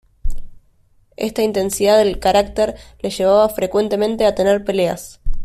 Esta intensidad de carácter le llevaba frecuentemente a tener peleas.